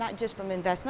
bukan hanya dari investasi